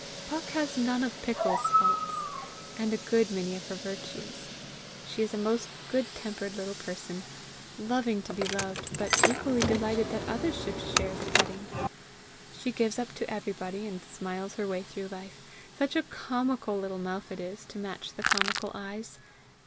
Puck has none of Pickles' faults, and a good many of her virtues. She is a most good tempered little person, loving to be loved, but equally delighted that others should share the petting. She gives up to everybody, and smiles her way through life; such a comical little mouth it is, to match the comical eyes.